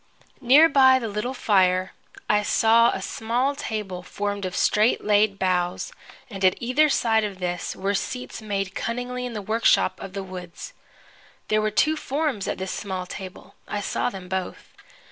Near by the little fire I saw a small table formed of straight laid boughs, and at either side of this were seats made cunningly in the workshop of the woods. There were two forms at this small table. I saw them both.